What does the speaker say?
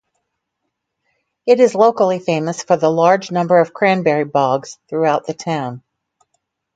It is locally famous for the large number of cranberry bogs throughout the town.